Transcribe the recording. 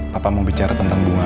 bapak mau bicara tentang bunga